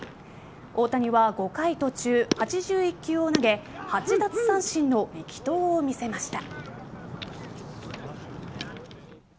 大谷は５回途中８１球を投げ８奪三振の力投を見せました。